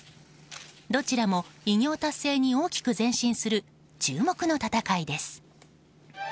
どちらも偉業達成に大きく前進する注目の戦いです。